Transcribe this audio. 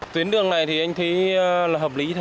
tuyến đường này thì anh thấy là hợp lý